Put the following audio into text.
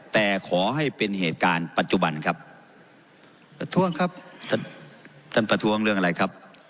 แต่ขอให้เป็นเหตุการณ์ปัจจุบันครับประท้วงครับท่านท่านประท้วงเรื่องอะไรครับ